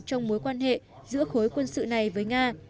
trong mối quan hệ giữa khối quân sự này với nga